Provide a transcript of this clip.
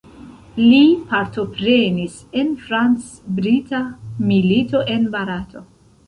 Li partoprenis en franc-brita milito en Barato.